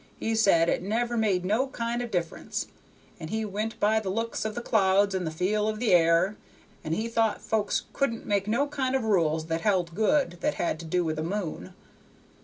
He said it never made no kind of difference, and he went by the looks of the clouds and the feel of the air, and he thought folks couldn't make no kind of rules that held good, that had to do with the moon.